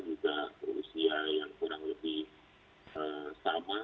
juga berusia yang kurang lebih sama